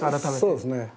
そうですね。